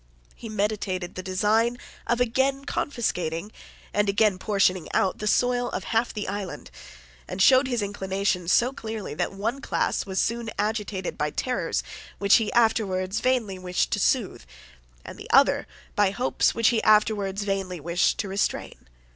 He meditated the design of again confiscating and again portioning out the soil of half the island, and showed his inclination so clearly that one class was soon agitated by terrors which he afterwards vainly wished to soothe, and the other by hopes which he afterwards vainly wished to restrain.